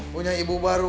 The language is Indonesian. punya ibu baru